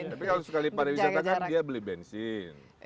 tapi kalau sekali pariwisata kan dia beli bensin